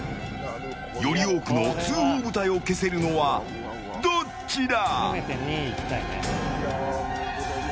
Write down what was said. より多くの通報部隊を消せるのはどっちだ。